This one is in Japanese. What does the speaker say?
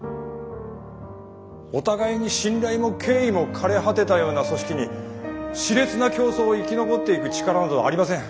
お互いに信頼も敬意も枯れ果てたような組織に熾烈な競争を生き残っていく力などありません。